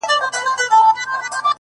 ستا لېونۍ خندا او زما له عشقه ډکه ژړا;